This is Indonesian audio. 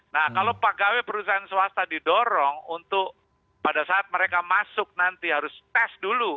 nah kalau pegawai perusahaan swasta didorong untuk pada saat mereka masuk nanti harus tes dulu